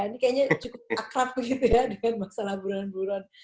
ini kayaknya cukup akrab gitu ya dengan masalah buronan negara